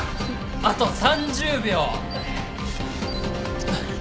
あと３０秒。